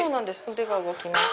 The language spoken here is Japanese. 腕が動きます。